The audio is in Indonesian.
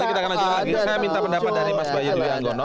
saya minta pendapat dari mas bayu dwi anggono